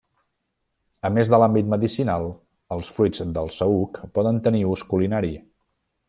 A més de l'àmbit medicinal, els fruits del saüc poden tenir ús culinari.